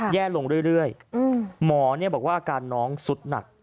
แย่ลงเรื่อยหมอบอกว่าอาการน้องสุดหนัก